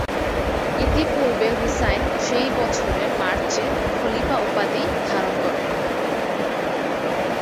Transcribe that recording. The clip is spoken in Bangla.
ইতিপূর্বে হুসাইন সেই বছরের মার্চে খলিফা উপাধি ধারণ করেন।